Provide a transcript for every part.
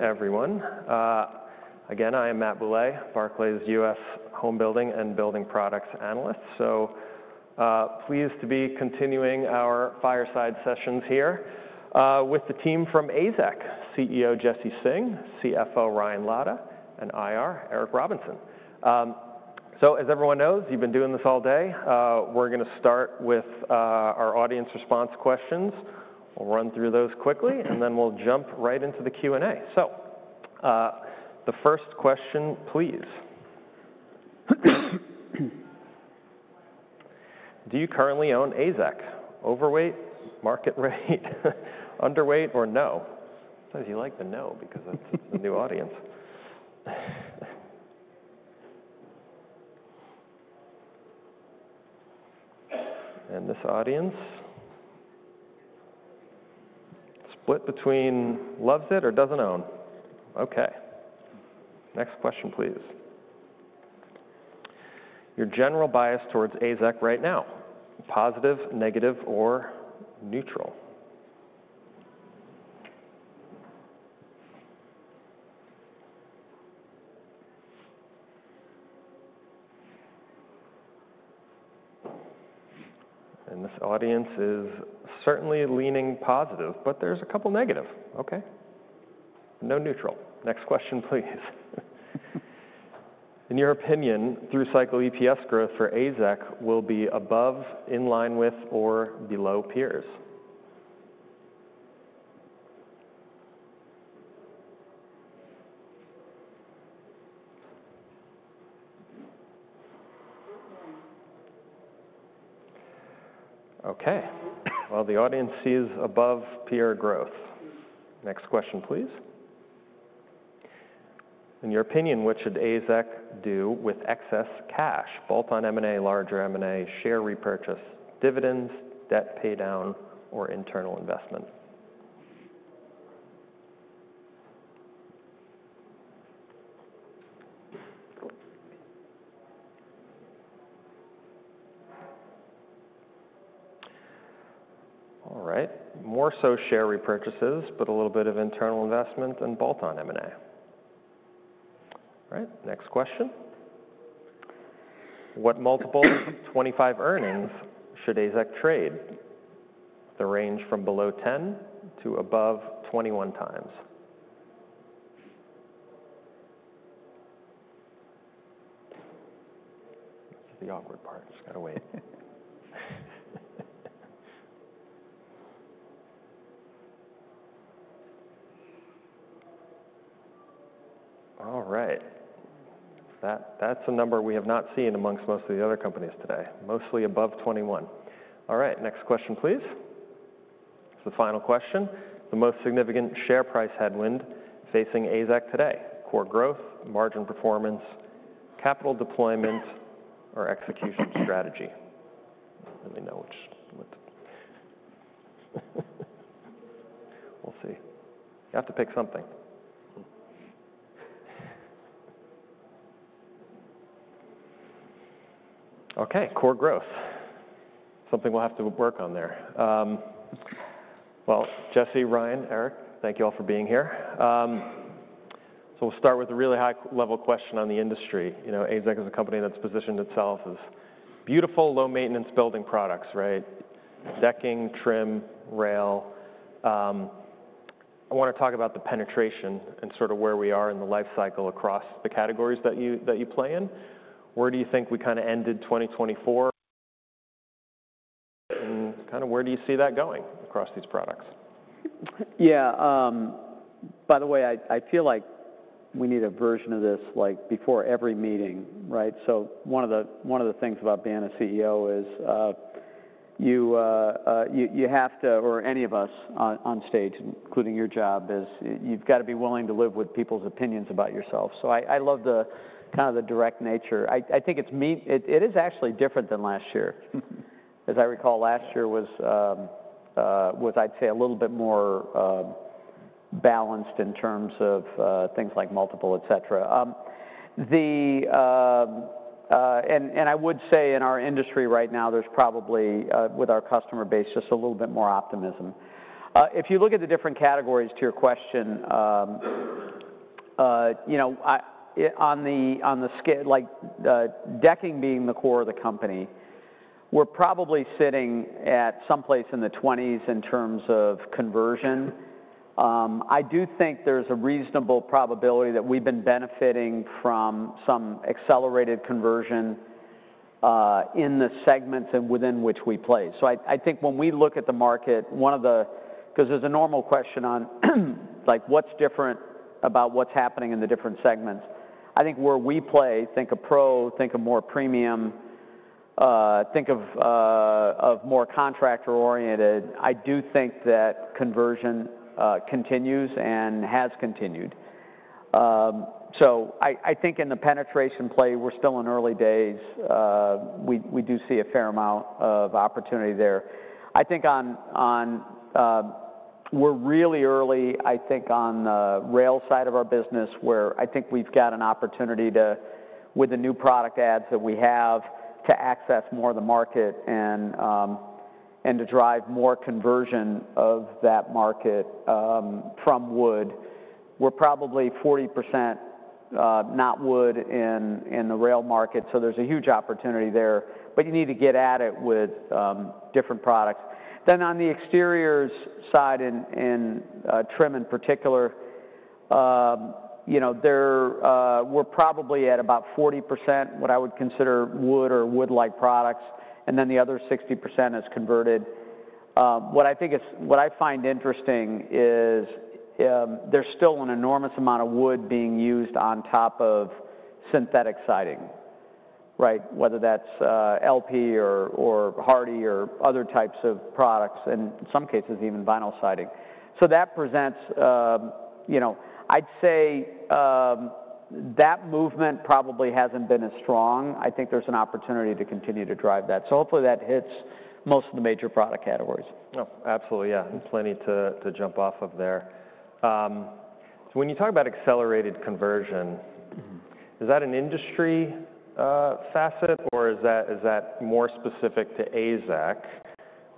Everyone. Again, I am Matt Bouley, Barclays U.S. Home Building and Building Products Analyst. So pleased to be continuing our fireside sessions here with the team from AZEK: CEO Jesse Singh, CFO Ryan Lada, and IR Eric Robinson. So, as everyone knows, you've been doing this all day. We're going to start with our audience response questions. We'll run through those quickly, and then we'll jump right into the Q&A. So the first question, please. Do you currently own AZEK? Overweight? Market rate? Underweight? Or no? It says you like the no because that's a new audience. And this audience? Split between loves it or doesn't own. Okay. Next question, please. Your general bias towards AZEK right now: positive, negative, or neutral? And this audience is certainly leaning positive, but there's a couple negative. Okay. No neutral. Next question, please. In your opinion, through-cycle EPS growth for AZEK will be above, in line with, or below peers? Okay. Well, the audience sees above peer growth. Next question, please. In your opinion, what should AZEK do with excess cash: bolt-on M&A, larger M&A, share repurchase, dividends, debt paydown, or internal investment? All right. More so share repurchases, but a little bit of internal investment and bolt-on M&A. All right. Next question. What multiple '25 earnings should AZEK trade? The range from below 10 to above 21 times. This is the awkward part. Just got to wait. All right. That's a number we have not seen amongst most of the other companies today. Mostly above 21. All right. Next question, please. This is the final question. The most significant share price headwind facing AZEK today: core growth, margin performance, capital deployment, or execution strategy? Let me know which. We'll see. You have to pick something. Okay. Core growth. Something we'll have to work on there. Well, Jesse, Ryan, Eric, thank you all for being here. So we'll start with a really high-level question on the industry. AZEK is a company that's positioned itself as beautiful, low-maintenance building products, right? Decking, trim, rail. I want to talk about the penetration and sort of where we are in the life cycle across the categories that you play in. Where do you think we kind of ended 2024? And kind of where do you see that going across these products? Yeah. By the way, I feel like we need a version of this before every meeting, right? So one of the things about being a CEO is you have to, or any of us on stage, including your job, is you've got to be willing to live with people's opinions about yourself. So I love kind of the direct nature. I think it is actually different than last year. As I recall, last year was, I'd say, a little bit more balanced in terms of things like multiple, etc. And I would say in our industry right now, there's probably, with our customer base, just a little bit more optimism. If you look at the different categories to your question, on the decking being the core of the company, we're probably sitting at someplace in the 20s in terms of conversion. I do think there's a reasonable probability that we've been benefiting from some accelerated conversion in the segments and within which we play. So I think when we look at the market, one of the, because there's a normal question on what's different about what's happening in the different segments. I think where we play, think of pro, think of more premium, think of more contractor-oriented. I do think that conversion continues and has continued. So I think in the penetration play, we're still in early days. We do see a fair amount of opportunity there. I think we're really early, I think, on the rail side of our business, where I think we've got an opportunity to, with the new product ads that we have, to access more of the market and to drive more conversion of that market from wood. We're probably 40% not wood in the rail market. So there's a huge opportunity there. But you need to get at it with different products. Then on the exteriors side and trim in particular, we're probably at about 40% what I would consider wood or wood-like products, and then the other 60% is converted. What I find interesting is there's still an enormous amount of wood being used on top of synthetic siding, right? Whether that's LP or Hardie or other types of products, and in some cases, even vinyl siding. So that presents, I'd say, that movement probably hasn't been as strong. I think there's an opportunity to continue to drive that. So hopefully that hits most of the major product categories. Absolutely. Yeah. Plenty to jump off of there. So when you talk about accelerated conversion, is that an industry facet, or is that more specific to AZEK?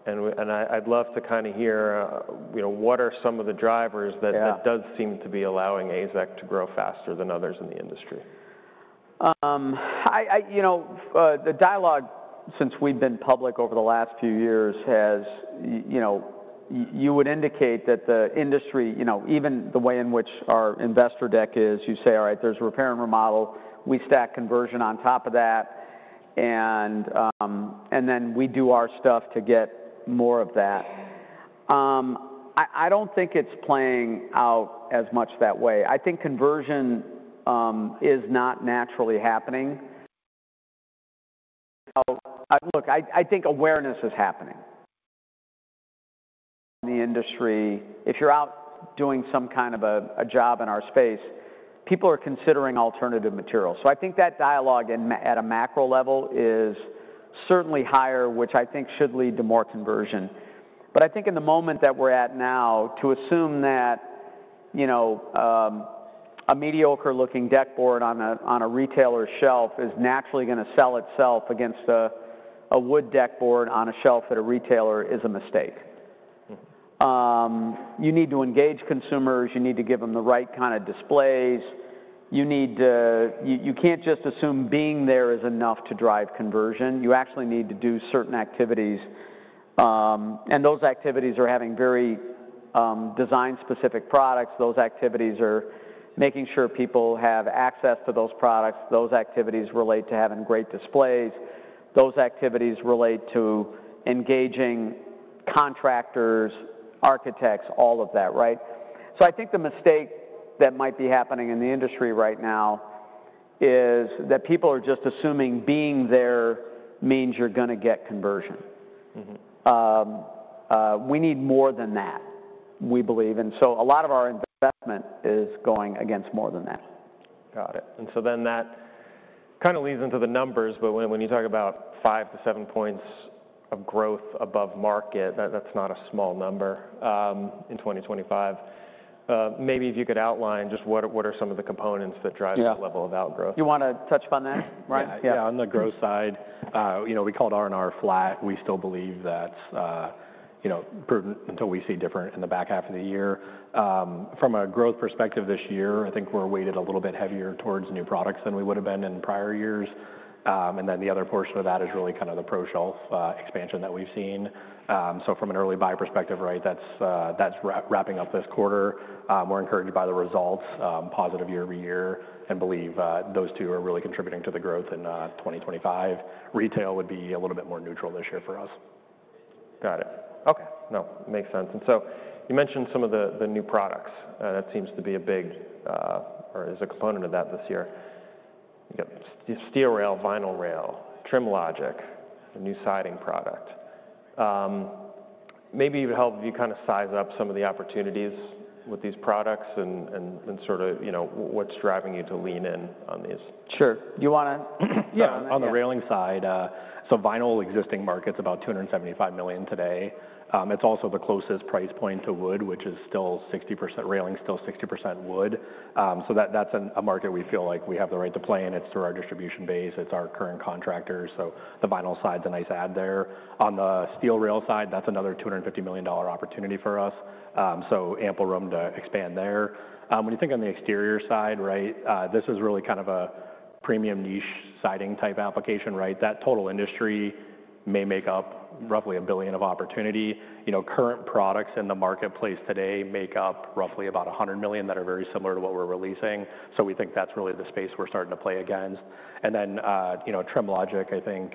And I'd love to kind of hear what are some of the drivers that do seem to be allowing AZEK to grow faster than others in the industry? The dialogue, since we've been public over the last few years, has - you would indicate that the industry, even the way in which our investor deck is, you say, "All right, there's repair and remodel. We stack conversion on top of that, and then we do our stuff to get more of that." I don't think it's playing out as much that way. I think conversion is not naturally happening. Look, I think awareness is happening in the industry. If you're out doing some kind of a job in our space, people are considering alternative materials. So I think that dialogue at a macro level is certainly higher, which I think should lead to more conversion. But I think in the moment that we're at now, to assume that a mediocre-looking deck board on a retailer's shelf is naturally going to sell itself against a wood deck board on a shelf at a retailer is a mistake. You need to engage consumers. You need to give them the right kind of displays. You can't just assume being there is enough to drive conversion. You actually need to do certain activities. And those activities are having very design-specific products. Those activities are making sure people have access to those products. Those activities relate to having great displays. Those activities relate to engaging contractors, architects, all of that, right? So I think the mistake that might be happening in the industry right now is that people are just assuming being there means you're going to get conversion. We need more than that, we believe. A lot of our investment is going against more than that. Got it, and so then that kind of leads into the numbers, but when you talk about five to seven points of growth above market, that's not a small number in 2025. Maybe if you could outline just what are some of the components that drive that level of outgrowth? Yeah. You want to touch upon that? Yeah. On the growth side, we called R&R flat. We still believe that's prudent until we see a difference in the back half of the year. From a growth perspective this year, I think we're weighted a little bit heavier towards new products than we would have been in prior years. And then the other portion of that is really kind of the pro-shelf expansion that we've seen. So from an early buy perspective, right, that's wrapping up this quarter. We're encouraged by the results, positive year-over-year, and believe those two are really contributing to the growth in 2025. Retail would be a little bit more neutral this year for us. Got it. Okay. No, makes sense. And so you mentioned some of the new products. That seems to be a big or is a component of that this year. You've got steel rail, vinyl rail, TrimLogic, a new siding product. Maybe it would help if you kind of size up some of the opportunities with these products and sort of what's driving you to lean in on these. Sure. You want to. Yeah. On the railing side, so vinyl existing market's about $275 million today. It's also the closest price point to wood, which is still 60% railing, still 60% wood. So that's a market we feel like we have the right to play, and it's through our distribution base. It's our current contractors. So the vinyl side's a nice add there. On the steel rail side, that's another $250 million opportunity for us. So ample room to expand there. When you think on the exterior side, right, this is really kind of a premium niche siding type application, right? That total industry may make up roughly a $1 billion of opportunity. Current products in the marketplace today make up roughly about $100 million that are very similar to what we're releasing. So we think that's really the space we're starting to play against. Then TrimLogic, I think,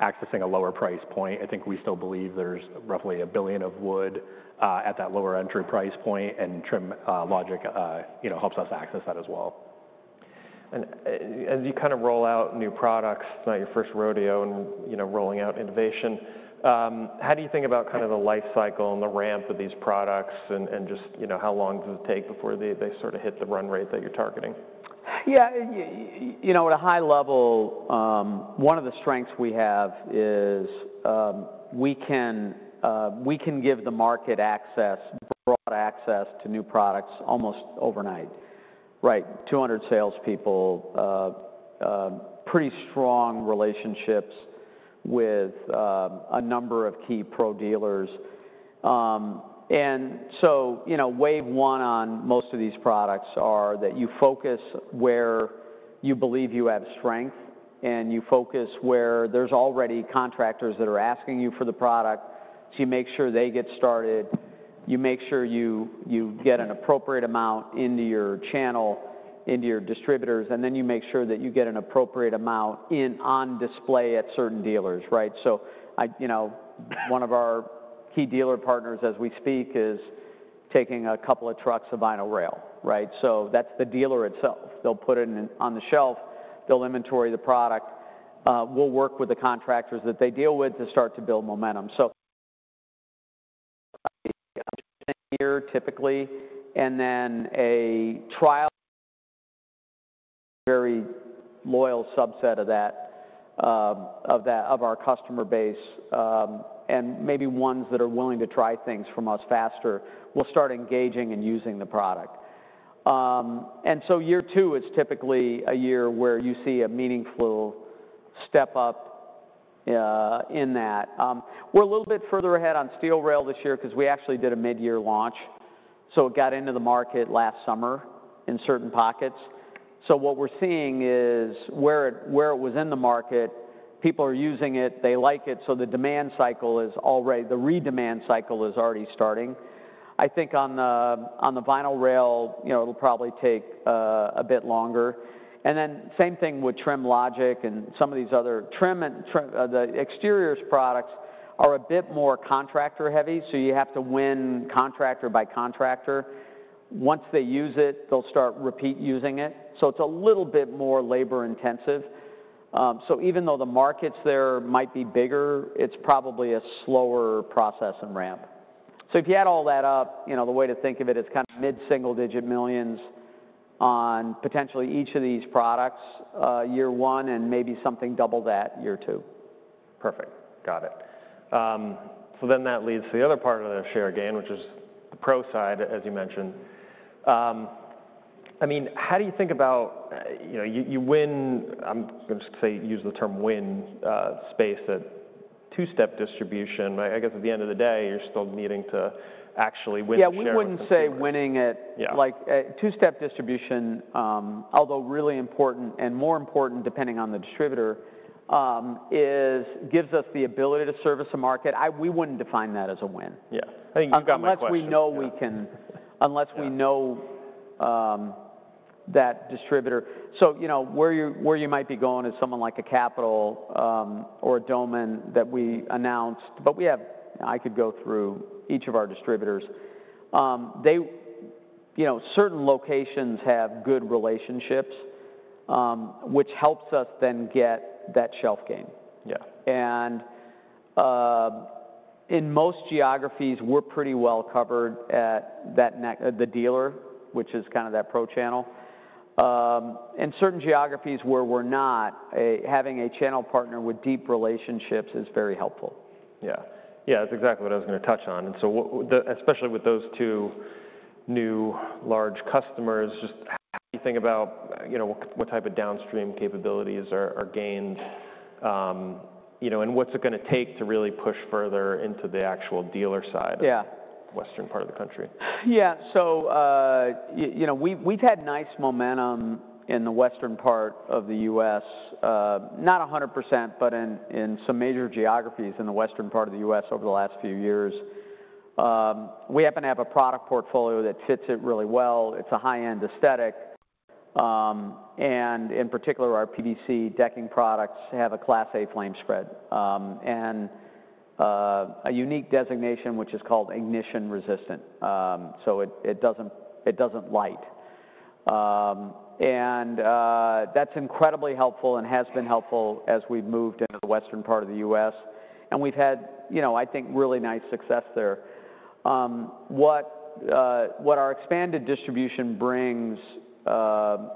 accessing a lower price point. I think we still believe there's roughly $1 billion of wood at that lower entry price point, and TrimLogic helps us access that as well. As you kind of roll out new products, it's not your first rodeo in rolling out innovation. How do you think about kind of the life cycle and the ramp of these products and just how long does it take before they sort of hit the run rate that you're targeting? Yeah. At a high level, one of the strengths we have is we can give the market access, broad access to new products almost overnight. Right? 200 salespeople, pretty strong relationships with a number of key pro dealers, and so wave one on most of these products is that you focus where you believe you have strength, and you focus where there's already contractors that are asking you for the product, so you make sure they get started. You make sure you get an appropriate amount into your channel, into your distributors, and then you make sure that you get an appropriate amount on display at certain dealers, right, so one of our key dealer partners as we speak is taking a couple of trucks of vinyl rail, right, so that's the dealer itself. They'll put it on the shelf. They'll inventory the product. We'll work with the contractors that they deal with to start to build momentum, so a year typically, and then a trial very loyal subset of that of our customer base and maybe ones that are willing to try things from us faster. We'll start engaging and using the product, and so year two is typically a year where you see a meaningful step up in that. We're a little bit further ahead on steel rail this year because we actually did a mid-year launch, so it got into the market last summer in certain pockets. So what we're seeing is where it was in the market, people are using it. They like it. So the demand cycle is already starting. I think on the vinyl rail, it'll probably take a bit longer. And then the same thing with TrimLogic and some of these other trim and the exterior products are a bit more contractor-heavy. So you have to win contractor by contractor. Once they use it, they'll start repeat using it. So it's a little bit more labor-intensive. So even though the markets there might be bigger, it's probably a slower process and ramp. So if you add all that up, the way to think of it is kind of mid-single-digit millions on potentially each of these products year one and maybe something double that year two. Perfect. Got it. So then that leads to the other part of the share gain, which is the pro side, as you mentioned. I mean, how do you think about, I'm going to say use the term win space at two-step distribution. I guess at the end of the day, you're still needing to actually win share. Yeah. We wouldn't say winning it. Two-step distribution, although really important and more important depending on the distributor, gives us the ability to service a market. We wouldn't define that as a win. Yeah. I think you've got my question. Unless we know that distributor, so where you might be going is someone like a Capital or a Doman that we announced, but I could go through each of our distributors. Certain locations have good relationships, which helps us then get that shelf gain, and in most geographies, we're pretty well covered at the dealer, which is kind of that pro channel. In certain geographies where we're not, having a channel partner with deep relationships is very helpful. Yeah. Yeah. That's exactly what I was going to touch on. And so especially with those two new large customers, just how do you think about what type of downstream capabilities are gained and what's it going to take to really push further into the actual dealer side of the western part of the country? Yeah. So we've had nice momentum in the western part of the U.S., not 100%, but in some major geographies in the western part of the U.S. over the last few years. We happen to have a product portfolio that fits it really well. It's a high-end aesthetic. And in particular, our PVC decking products have a Class A flame spread and a unique designation, which is called ignition resistant. So it doesn't light. And that's incredibly helpful and has been helpful as we've moved into the western part of the U.S. And we've had, I think, really nice success there. What our expanded distribution brings in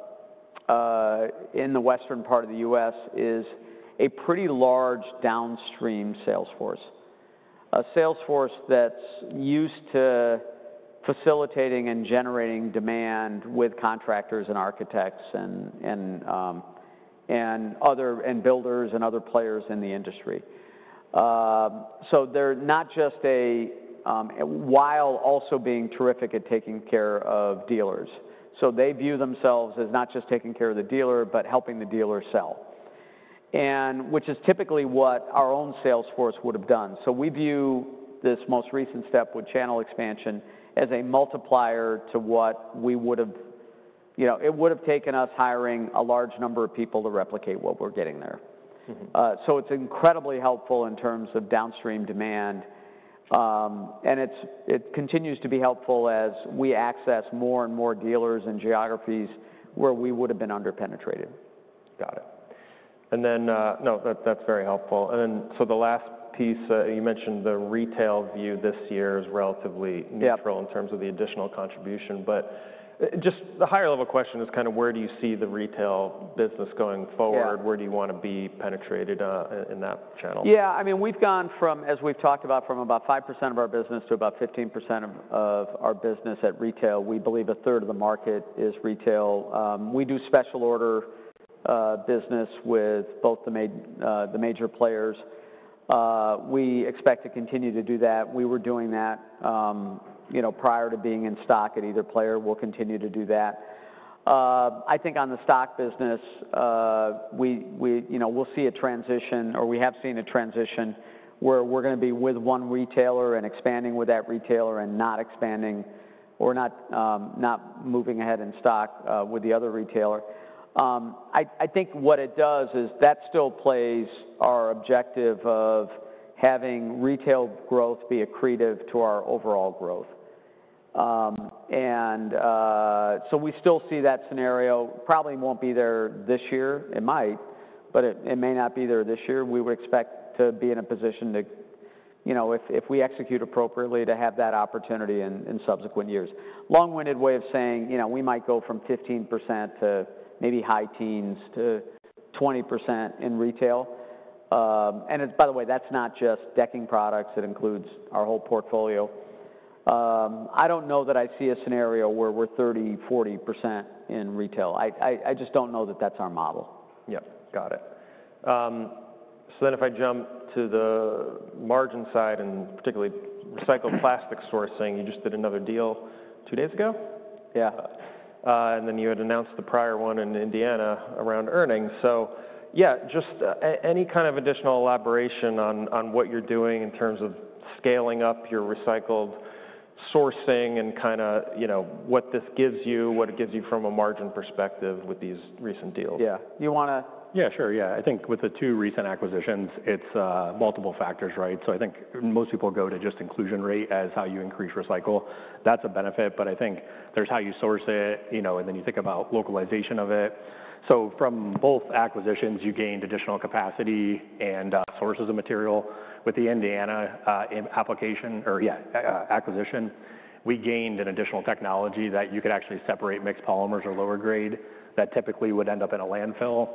the western part of the U.S. is a pretty large downstream sales force, a sales force that's used to facilitating and generating demand with contractors and architects and builders and other players in the industry. So they're not just a wholesaler, also being terrific at taking care of dealers. So they view themselves as not just taking care of the dealer, but helping the dealer sell, which is typically what our own sales force would have done. So we view this most recent step with channel expansion as a multiplier to what we would have, it would have taken us hiring a large number of people to replicate what we're getting there. So it's incredibly helpful in terms of downstream demand, and it continues to be helpful as we access more and more dealers and geographies where we would have been underpenetrated. Got it. And then, no, that's very helpful. And then so the last piece, you mentioned the retail view this year is relatively neutral in terms of the additional contribution. But just the higher-level question is kind of where do you see the retail business going forward? Where do you want to be penetrated in that channel? Yeah. I mean, we've gone from, as we've talked about, from about 5% of our business to about 15% of our business at retail. We believe a third of the market is retail. We do special order business with both the major players. We expect to continue to do that. We were doing that prior to being in stock at either player. We'll continue to do that. I think on the stock business, we'll see a transition, or we have seen a transition, where we're going to be with one retailer and expanding with that retailer and not expanding or not moving ahead in stock with the other retailer. I think what it does is that still plays our objective of having retail growth be accretive to our overall growth. And so we still see that scenario. Probably won't be there this year. It might, but it may not be there this year. We would expect to be in a position to, if we execute appropriately, to have that opportunity in subsequent years. Long-winded way of saying we might go from 15% to maybe high teens to 20% in retail. And by the way, that's not just decking products. It includes our whole portfolio. I don't know that I see a scenario where we're 30%-40% in retail. I just don't know that that's our model. Yep. Got it. So then if I jump to the margin side and particularly recycled plastic sourcing, you just did another deal two days ago. Yeah. And then you had announced the prior one in Indiana around earnings. So yeah, just any kind of additional elaboration on what you're doing in terms of scaling up your recycled sourcing and kind of what this gives you, what it gives you from a margin perspective with these recent deals? Yeah. You want to? Yeah. Sure. Yeah. I think with the two recent acquisitions, it's multiple factors, right? So I think most people go to just inclusion rate as how you increase recycle. That's a benefit. But I think there's how you source it, and then you think about localization of it. So from both acquisitions, you gained additional capacity and sources of material. With the Indiana application or, yeah, acquisition, we gained an additional technology that you could actually separate mixed polymers or lower grade that typically would end up in a landfill.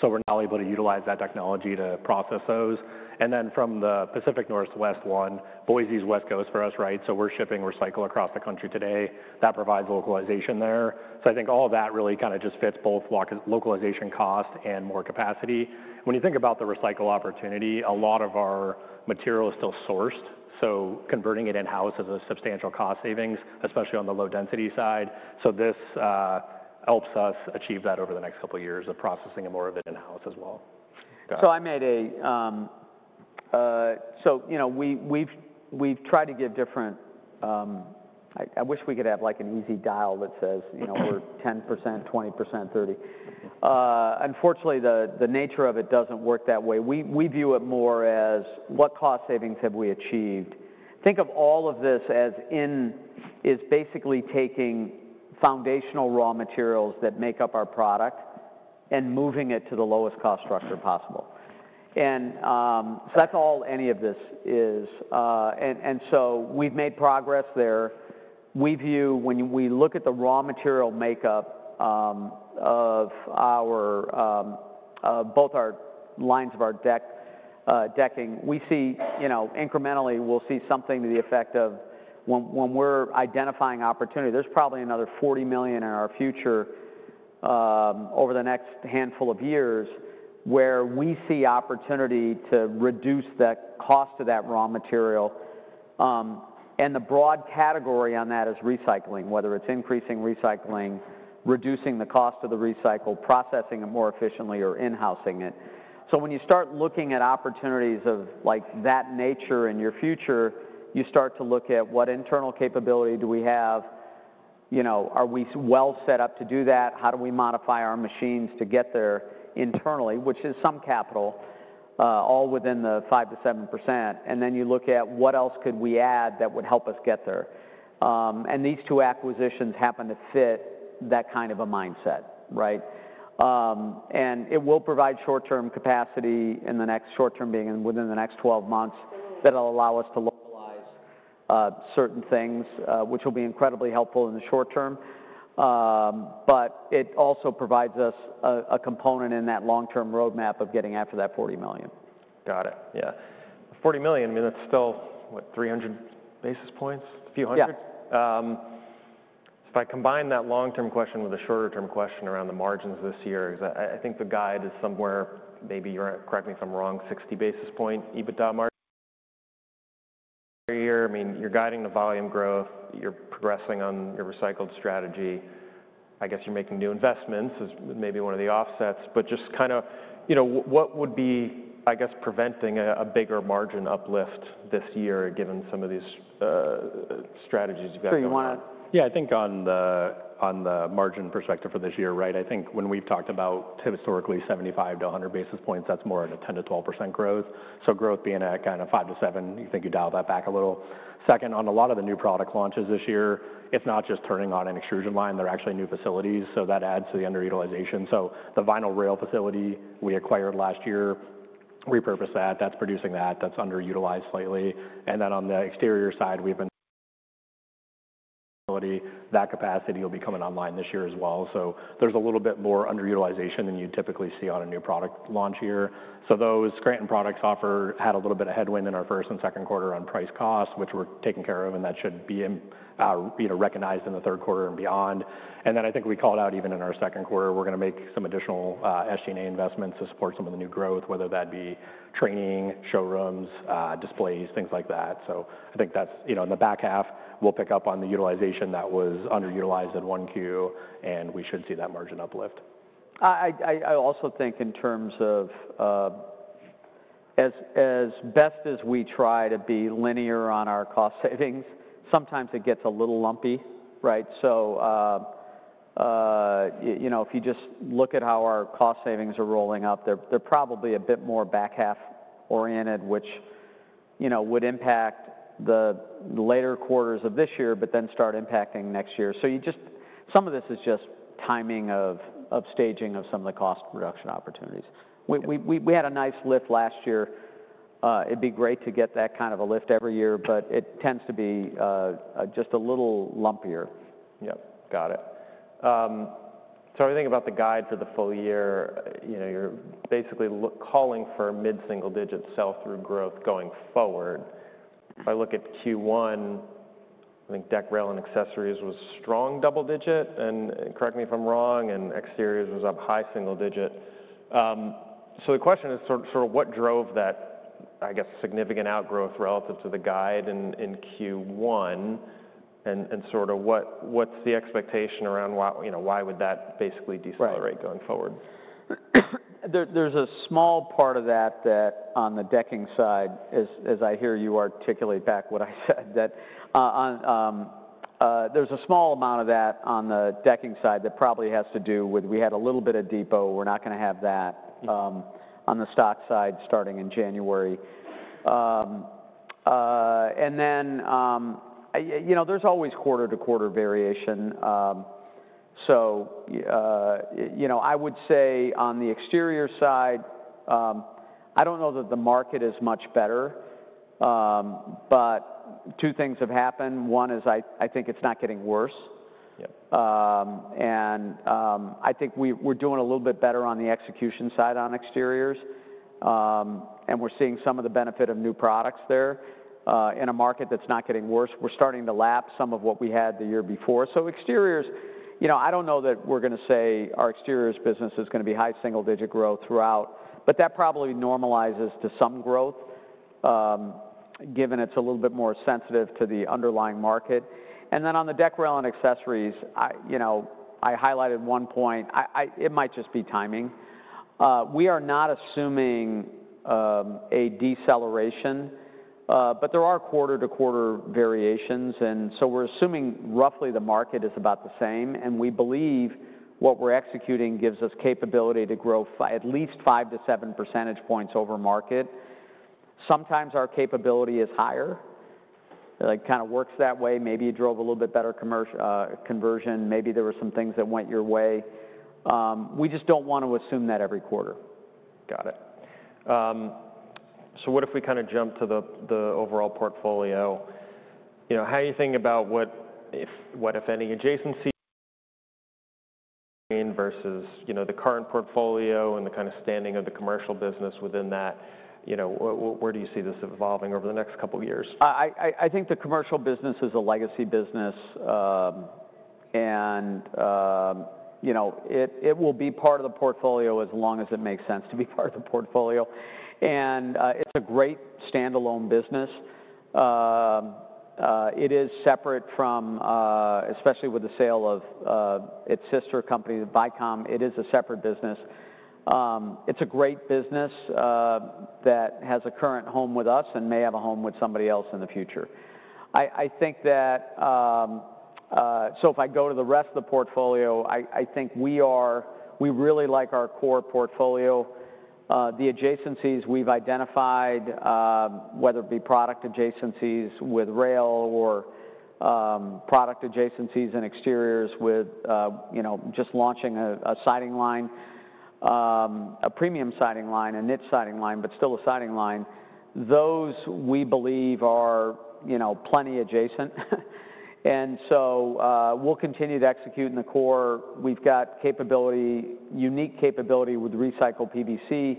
So we're now able to utilize that technology to process those. And then from the Pacific Northwest one, Boise's West Coast for us, right? So we're shipping recycle across the country today. That provides localization there. So I think all of that really kind of just fits both localization cost and more capacity. When you think about the recycle opportunity, a lot of our material is still sourced. So converting it in-house is a substantial cost savings, especially on the low-density side. So this helps us achieve that over the next couple of years of processing and more of it in-house as well. Got it. So we've tried to get different. I wish we could have an easy dial that says we're 10%, 20%, 30%. Unfortunately, the nature of it doesn't work that way. We view it more as what cost savings have we achieved? Think of all of this as in is basically taking foundational raw materials that make up our product and moving it to the lowest cost structure possible. And so that's all any of this is. And so we've made progress there. We view when we look at the raw material makeup of both our lines of our decking, we see incrementally, we'll see something to the effect of when we're identifying opportunity, there's probably another $40 million in our future over the next handful of years where we see opportunity to reduce that cost of that raw material. And the broad category on that is recycling, whether it's increasing recycling, reducing the cost of the recycle, processing it more efficiently, or in-housing it. So when you start looking at opportunities of that nature in your future, you start to look at what internal capability do we have? Are we well set up to do that? How do we modify our machines to get there internally, which is some capital all within the 5%-7%? And then you look at what else could we add that would help us get there? And these two acquisitions happen to fit that kind of a mindset, right? And it will provide short-term capacity in the next short-term being within the next 12 months that will allow us to localize certain things, which will be incredibly helpful in the short term. But it also provides us a component in that long-term roadmap of getting after that $40 million. Got it. Yeah. $40 million, I mean, that's still, what, 300 basis points, a few hundred? Yeah. If I combine that long-term question with a shorter-term question around the margins this year, because I think the guide is somewhere, maybe you correct me if I'm wrong, 60 basis points EBITDA margin year. I mean, you're guiding the volume growth. You're progressing on your recycled strategy. I guess you're making new investments is maybe one of the offsets. But just kind of what would be, I guess, preventing a bigger margin uplift this year given some of these strategies you've got going on? So you want to, yeah, I think on the margin perspective for this year, right? I think when we've talked about historically 75-100 basis points, that's more of a 10% to 12% growth. So growth being at kind of 5% to 7%, you think you dial that back a little. Second, on a lot of the new product launches this year, it's not just turning on an extrusion line. There are actually new facilities. So that adds to the underutilization. So the vinyl rail facility we acquired last year, repurpose that. That's producing that. That's underutilized slightly. And then on the exterior side, we've been, that capacity will be coming online this year as well. So there's a little bit more underutilization than you'd typically see on a new product launch year. So those Scranton Products had a little bit of headwind in our first and second quarter on price cost, which we're taking care of, and that should be recognized in the third quarter and beyond. And then I think we called out even in our second quarter, we're going to make some additional SG&A investments to support some of the new growth, whether that be training, showrooms, displays, things like that. So I think that's in the back half, we'll pick up on the utilization that was underutilized at 1Q, and we should see that margin uplift. I also think in terms of as best as we try to be linear on our cost savings, sometimes it gets a little lumpy, right? So if you just look at how our cost savings are rolling up, they're probably a bit more back half oriented, which would impact the later quarters of this year, but then start impacting next year. So some of this is just timing of staging of some of the cost reduction opportunities. We had a nice lift last year. It'd be great to get that kind of a lift every year, but it tends to be just a little lumpier. Yep. Got it. So I think about the guide for the full year, you're basically calling for mid-single digit sell-through growth going forward. If I look at Q1, I think deck rail and accessories was strong double-digit, and correct me if I'm wrong, and exteriors was up high single digit. So the question is sort of what drove that, I guess, significant outgrowth relative to the guide in Q1, and sort of what's the expectation around why would that basically decelerate going forward? There's a small part of that on the decking side, as I hear you articulate back what I said, that there's a small amount of that on the decking side that probably has to do with we had a little bit of Depot. We're not going to have that on the stock side starting in January. And then there's always quarter-to-quarter variation. So I would say on the exterior side, I don't know that the market is much better, but two things have happened. One is I think it's not getting worse. And I think we're doing a little bit better on the execution side on exteriors, and we're seeing some of the benefit of new products there. In a market that's not getting worse, we're starting to lap some of what we had the year before. So exteriors, I don't know that we're going to say our exteriors business is going to be high single-digit growth throughout, but that probably normalizes to some growth given it's a little bit more sensitive to the underlying market. And then on the deck rail and accessories, I highlighted one point. It might just be timing. We are not assuming a deceleration, but there are quarter-to-quarter variations. And so we're assuming roughly the market is about the same. And we believe what we're executing gives us capability to grow at least 5-7 percentage points over market. Sometimes our capability is higher. It kind of works that way. Maybe it drove a little bit better conversion. Maybe there were some things that went your way. We just don't want to assume that every quarter. Got it. So what if we kind of jump to the overall portfolio? How are you thinking about what, if any, adjacency versus the current portfolio and the kind of standing of the commercial business within that? Where do you see this evolving over the next couple of years? I think the commercial business is a legacy business, and it will be part of the portfolio as long as it makes sense to be part of the portfolio. And it's a great standalone business. It is separate from, especially with the sale of its sister company, Vycom, it is a separate business. It's a great business that has a current home with us and may have a home with somebody else in the future. I think that so if I go to the rest of the portfolio, I think we really like our core portfolio. The adjacencies we've identified, whether it be product adjacencies with rail or product adjacencies and exteriors with just launching a siding line, a premium siding line, a niche siding line, but still a siding line, those we believe are plenty adjacent. And so we'll continue to execute in the core. We've got capability, unique capability with recycled PVC.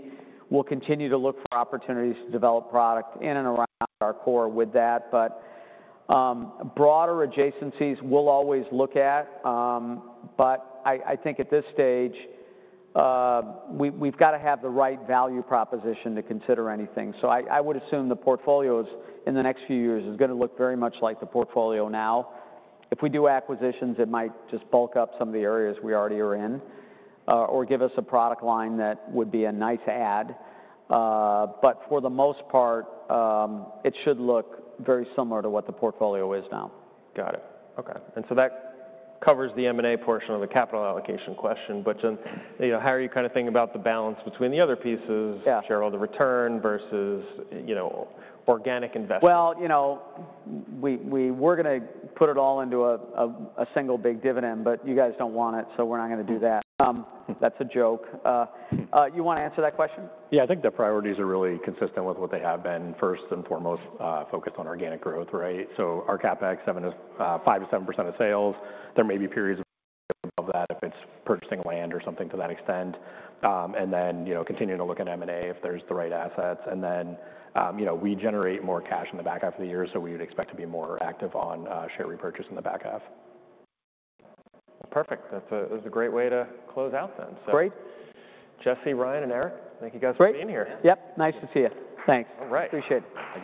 We'll continue to look for opportunities to develop product in and around our core with that, but broader adjacencies we'll always look at, but I think at this stage, we've got to have the right value proposition to consider anything, so I would assume the portfolio in the next few years is going to look very much like the portfolio now. If we do acquisitions, it might just bulk up some of the areas we already are in or give us a product line that would be a nice ad, but for the most part, it should look very similar to what the portfolio is now. Got it. Okay. And so that covers the M&A portion of the capital allocation question. But how are you kind of thinking about the balance between the other shareholder return versus organic investment? Well, we were going to put it all into a single big dividend, but you guys don't want it, so we're not going to do that. That's a joke. You want to answer that question? Yeah. I think the priorities are really consistent with what they have been, first and foremost, focused on organic growth, right? So our CapEx is 5%-7% of sales. There may be periods of that if it's purchasing land or something to that extent. And then continuing to look at M&A if there's the right assets. And then we generate more cash in the back half of the year, so we would expect to be more active on share repurchase in the back half. Perfect. That was a great way to close out then. Great. Jesse, Ryan, and Eric, thank you guys for being here. Yep. Nice to see you. Thanks. All right. Appreciate it. Thank you.